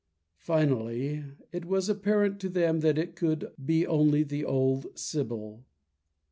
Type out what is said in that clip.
Finally it was apparent to them that it could be only the old sibyl.